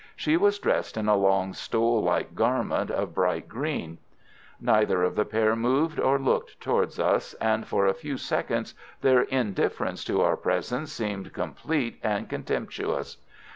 She was dressed in a long stole like garment of bright green. Neither of the pair moved or looked towards us, and for a few seconds their indifference to our presence seemed complete and contemptuous.